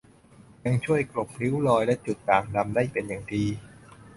ยังช่วยกลบริ้วรอย และจุดด่างดำได้เป็นอย่างดี